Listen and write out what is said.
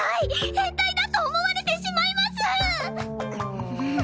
変態だと思われてしまいます！